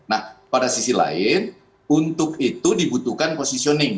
nah pada sisi lain untuk itu dibutuhkan positioning